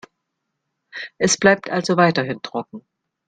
Es bleibt also weiterhin trocken.